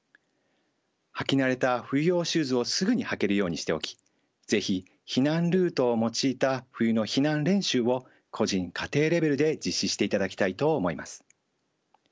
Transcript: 履き慣れた冬用シューズをすぐに履けるようにしておき是非避難ルートを用いた冬の避難練習を個人・家庭レベルで実施していただきたいと思います。